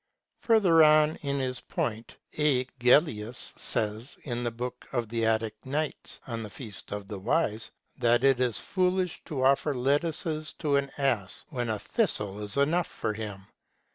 Further on this point A. Gellius says, in the book of the Attic Nights, on the Feast of the Wise, that it is foolish to offer lettuces to an ass when a thistle is enough for him.